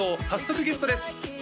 早速ゲストです